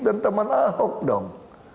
dan teman ahok dong